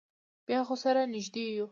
بیا خو سره نږدې یو.